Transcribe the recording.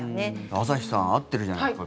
朝日さん合ってるじゃないですか。